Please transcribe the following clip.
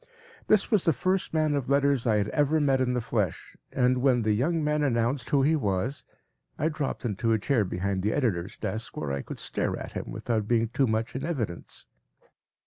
This was the first man of letters I had ever met in the flesh, and when the young man announced who he was, I dropped into a chair behind the editor’s desk where I could stare at him without being too much in evidence.